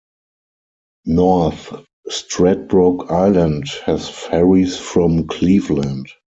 North Stradbroke Island has ferries from Cleveland.